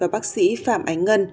bác sĩ phạm ánh ngân